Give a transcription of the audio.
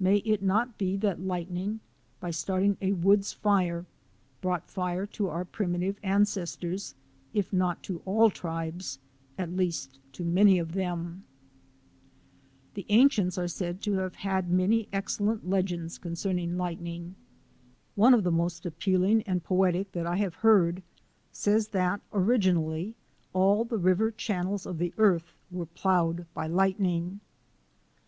May it not be that light ning, by starting a woods fire, brought Fire to our primitive ancestors, if not to all tribes, at least to many of them ? The ancients are said to have had many excel lent legends concerning lightning. One of the most appealing and poetic that I hnve heard says LIGHTNING AND THUNDER 131 that originally all the river channels of the earth were ploughed by lightning.